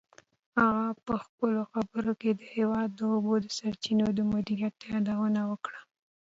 هغه په خپلو خبرو کې د هېواد د اوبو سرچینو د مدیریت یادونه وکړه.